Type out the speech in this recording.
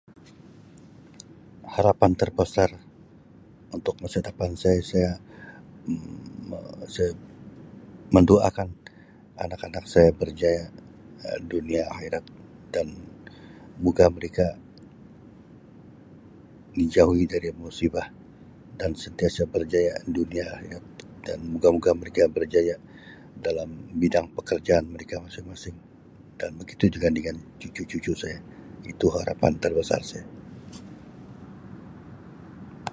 Harapan terbesar untuk masa depan saya saya Um saya mendoakan anak-anak saya berjaya Um dunia akhirat dan moga mereka dijauhi dari musibah dan sentiasa berjaya dunia akhirat dan moga-moga mereka berjaya dalam bidang pekerjaan mereka masing-masing dan begitu juga dengan cucu-cucu saya itu harapan terbesar saya.